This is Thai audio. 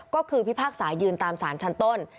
ก็คือพิพากษายืนตามสารชั้นต้น